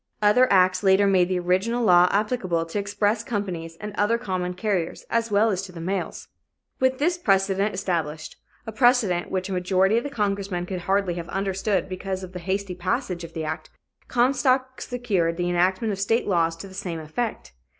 Other acts later made the original law applicable to express companies and other common carriers, as well as to the mails. With this precedent established a precedent which a majority of the congressmen could hardly have understood because of the hasty passage of the act Comstock secured the enactment of state laws to the same effect.